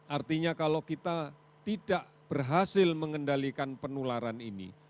artinya kalau kita tidak berhasil mengendalikan penularan ini